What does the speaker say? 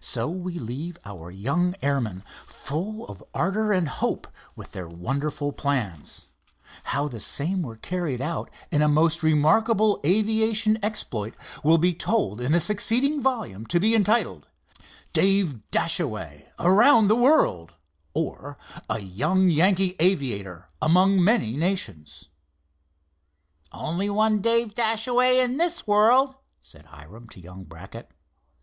So we leave our young airmen, full of ardor and hope, with their wonderful plans. How the same were carried out in a most remarkable aviation exploit, will be told in a succeeding volume, to be entitled, "Dave Dashaway Around the World; Or, A Young Yankee Aviator Among Many Nations." "Only one Dave Dashaway in this world," said Hiram, to young Brackett.